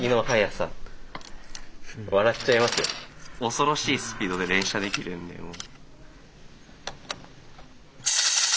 恐ろしいスピードで連射できるんでもう。